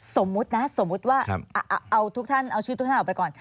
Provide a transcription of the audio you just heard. สมมุตินะสมมุติว่าเอาทุกท่านเอาชื่อทุกท่านออกไปก่อน